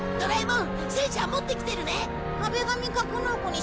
ん？